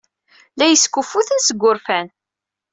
La iyi-skuffutent seg wurfan.